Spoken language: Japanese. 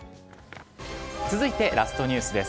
続いてラストニュースです。